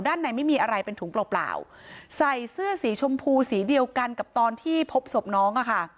ในไม่มีอะไรเป็นถุงเปล่าเปล่าใส่เสื้อสีชมพูสีเดียวกันกับตอนที่พบศพน้องอ่ะค่ะ